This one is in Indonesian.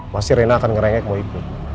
pasti rena akan ngerengek mau ikut